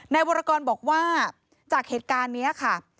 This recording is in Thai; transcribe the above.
วรกรบอกว่าจากเหตุการณ์นี้ค่ะ